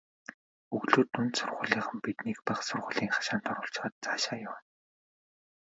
Өглөө дунд сургуулийнхан биднийг бага сургуулийн хашаанд оруулчихаад цаашаа явна.